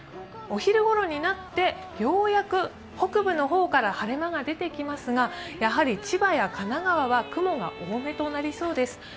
お昼頃になって、ようやく北部の方から晴れ間が出てきますが、やはり千葉や神奈川は雲が多めとなりそうです。